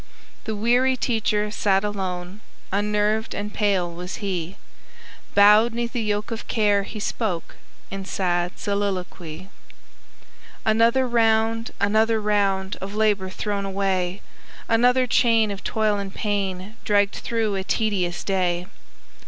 The weary teacher sat alone; Unnerved and pale was he; Bowed 'neath a yoke of care, he spoke In sad soliloquy: "Another round, another round Of labor thrown away, Another chain of toil and pain Dragged through a tedious day.